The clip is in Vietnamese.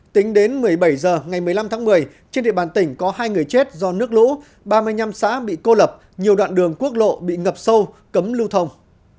tính đến một mươi bảy h ngày một mươi năm tháng một mươi trên địa bàn tỉnh có hai người chết do nước lũ ba mươi năm xã bị cô lập nhiều đoạn đường quốc lộ bị ngập sâu cấm lưu thông